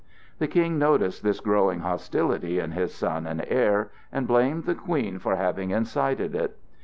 The King noticed this growing hostility in his son and heir, and blamed the Queen for having incited it.